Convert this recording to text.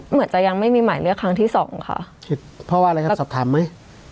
เหมือนจะยังไม่มีหมายเรียกครั้งที่สองค่ะคิดเพราะว่าอะไรครับสอบถามไหม